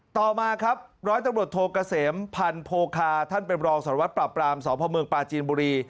ต่อมาครับร้อยตำรวจโทเกษมพันธ์โพคาท่านเป็นรองสารวัตรปราบปรามสพเมืองปลาจีนบุรี